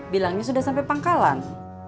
bilangnya sudah sampai pangkalan